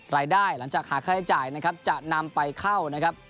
หลังจากหาค่าใช้จ่ายนะครับจะนำไปเข้านะครับ